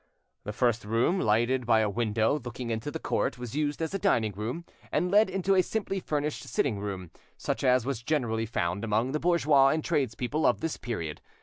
The first room, lighted by a window looking into the court, was used as a dining room, and led into a simply furnished sitting room, such as was generally found among the bourgeois and tradespeople of this period.